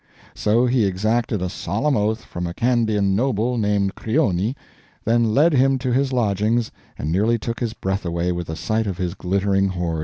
So he exacted a solemn oath from a Candian noble named Crioni, then led him to his lodgings and nearly took his breath away with a sight of his glittering hoard.